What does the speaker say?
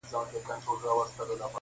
په يوه گړي كي جوړه هنگامه سوه-